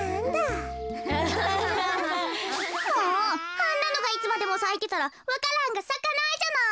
あんなのがいつまでもさいてたらわか蘭がさかないじゃない。